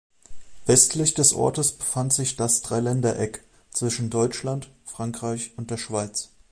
Westlich des Ortes befand sich das Dreiländereck zwischen Deutschland, Frankreich und der Schweiz.